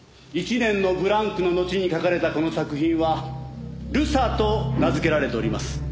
１年のブランクののちに描かれたこの作品は『流砂』と名付けられております。